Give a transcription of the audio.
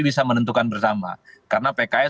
bisa menentukan bersama karena pks